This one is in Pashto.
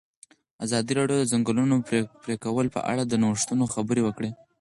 ازادي راډیو د د ځنګلونو پرېکول په اړه د نوښتونو خبر ورکړی.